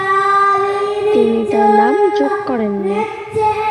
তিনি তার নাম যোগ করেননি।